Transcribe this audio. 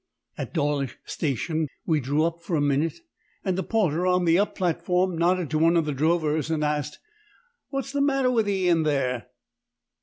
At Dawlish Station we drew up for a minute, and a porter on the up platform nodded to one of the drovers and asked, "What's the matter with 'ee, in there?"